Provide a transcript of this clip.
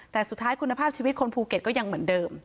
แต่สุดท้ายคุณภาพชีวิตคนภูเก็ตก็ยังเหมือนเดิม